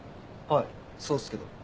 はいそうっすけど。